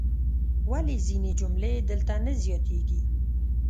ولې ځینې جملې دلته نه زیاتیږي؟